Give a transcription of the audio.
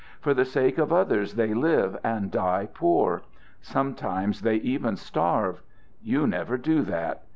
For the sake of others they live and die poor. Sometimes they even starve. You never do that.